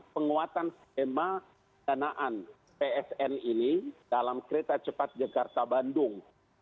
penguatan skema danaan psn ini dalam kereta cepat jakarta bandung